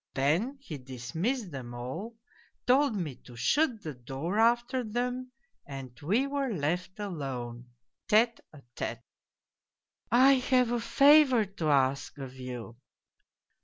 " Then he dismissed them all, told me to shut the door after them, and we were left alone, tle a tfre. "' I have a favour to ask of you.'